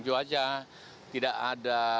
cuaca tidak ada